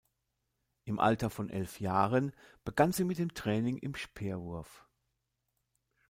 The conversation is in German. Im Alter von elf Jahren begann sie mit dem Training im Speerwurf.